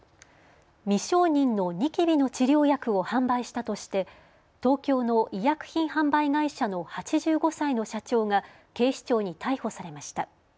未承認のニキビの治療薬を販売したとして東京の医薬品販売会社の８５歳の社長が警視庁に逮捕されました。